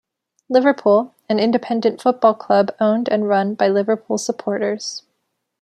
Liverpool, an independent football club owned and run by Liverpool supporters.